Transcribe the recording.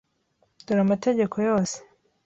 Dore amategeko yose.